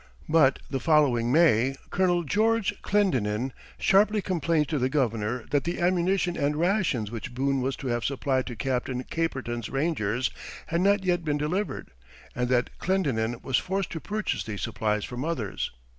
But the following May, Colonel George Clendennin sharply complains to the governor that the ammunition and rations which Boone was to have supplied to Captain Caperton's rangers had not yet been delivered, and that Clendennin was forced to purchase these supplies from others.